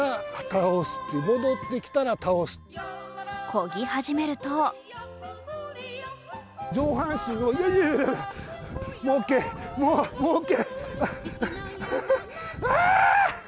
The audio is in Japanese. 漕ぎ始めると上半身をいやいやいやもうオーケー、ああ！